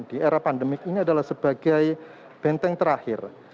di era pandemik ini adalah sebagai benteng terakhir